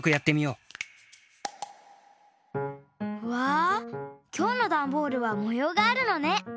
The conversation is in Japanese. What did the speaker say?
うわきょうのダンボールはもようがあるのね。